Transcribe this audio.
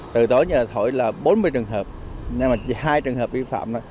từ tối nhờ thổi là bốn mươi trường hợp hai trường hợp vi phạm